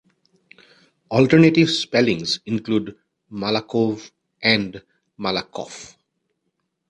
Alternative spellings include Malakov and Malakoff.